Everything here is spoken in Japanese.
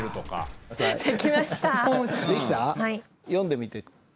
読んでみて。